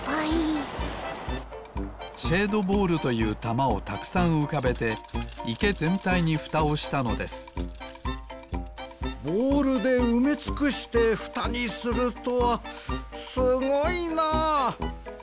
シェードボールというたまをたくさんうかべていけぜんたいにふたをしたのですボールでうめつくしてふたにするとはすごいな！